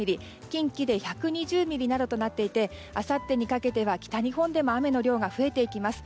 近畿で１２０ミリなどとなっていてあさってにかけては、北日本でも雨の量が増えていきます。